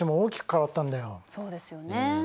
そうですよね。